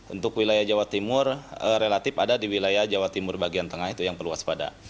untuk wilayah jawa timur relatif ada di wilayah jawa timur bagian tengah itu yang perlu waspada